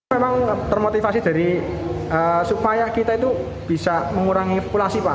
memang termotivasi dari supaya kita itu bisa mengurangi populasi pak